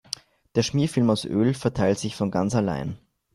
Der Schmierfilm aus Öl verteilt sich von ganz allein.